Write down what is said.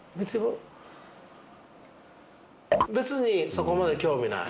別にそこまで興味ない。